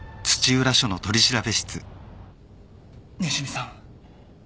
西見さん。